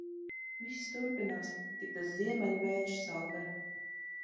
Viss turpinās. Tik tas ziemeļu vējš saldē.